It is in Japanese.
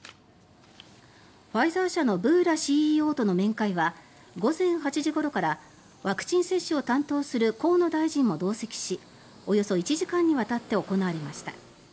ファイザー社のブーラＣＥＯとの面会は午前８時ごろからワクチン接種を担当する河野大臣も同席しおよそ１時間にわたって行われました。